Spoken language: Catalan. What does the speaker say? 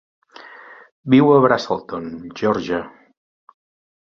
Viu a Braselton, Georgia.